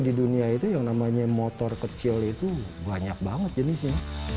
di dunia itu yang namanya motor kecil itu banyak banget jenisnya